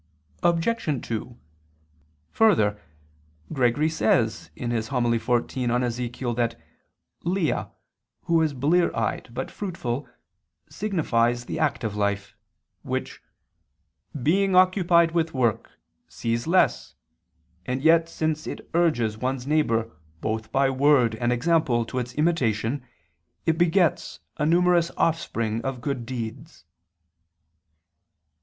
Obj. 2: Further, Gregory says (Hom. xiv in Ezech.) that Lia who was blear eyed but fruitful signifies the active life: which "being occupied with work, sees less, and yet since it urges one's neighbor both by word and example to its imitation it begets a numerous offspring of good deeds."